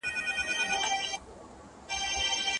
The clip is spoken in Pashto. د باز له ځالې باز ولاړېږي.